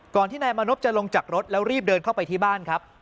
ที่นายมานพจะลงจากรถแล้วรีบเดินเข้าไปที่บ้านครับ